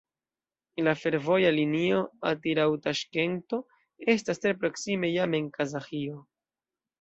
La fervoja linio Atirau-Taŝkento estas tre proksime jam en Kazaĥio.